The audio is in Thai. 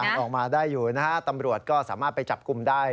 ยังสั่งงานออกมาได้อยู่ตำรวจก็สามารถไปจับกลุ่มได้